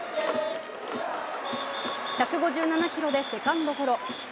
１５７キロでセカンドゴロ。